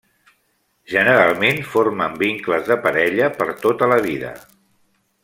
Generalment formen vincles de parella per tota la vida.